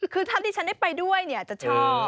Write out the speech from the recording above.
คือถ้าที่ฉันได้ไปด้วยเนี่ยจะชอบ